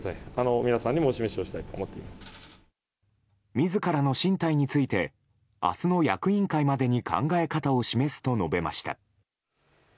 自らの進退について、明日の役員会までに考え方を示すと述べました。